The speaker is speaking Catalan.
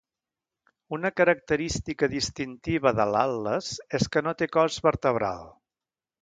Una característica distintiva de l'atles és que no té cos vertebral.